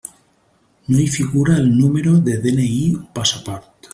No hi figura el número de DNI o passaport.